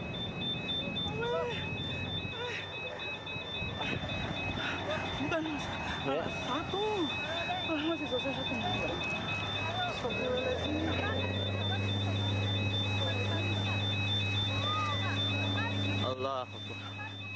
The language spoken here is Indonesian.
pesawat batik air terbakar di bandara halim perdana kusuma